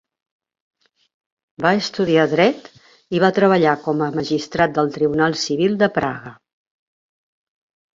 Va estudiar Dret i va treballar com a magistrat del Tribunal civil de Praga.